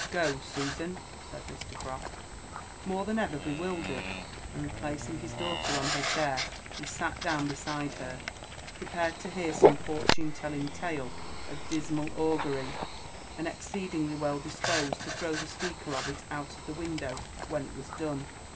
'' "Go, Susan," said Mr. Croft, more than ever bewildered ; and replacing his daughter on her chair, he sat down beside her, prepared to hear some fortune telling tale of dismal, augury, and exceedingly well disposed to throw the speaker of it out of the window when it was done.